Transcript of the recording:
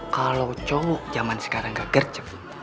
kalo cowok jaman sekarang gak gercep